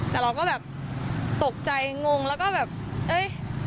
แต่เราก็แบบตกใจงงแล้วก็แบบเอ้ย